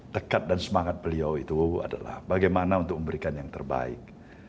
tekat dan semangat beliau itu adalah bagaimana untuk memberikan yang terbaik